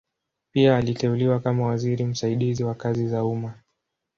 Pia aliteuliwa kama waziri msaidizi wa kazi za umma.